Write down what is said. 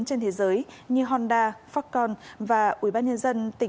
trên thế giới như honda falcon và ubnd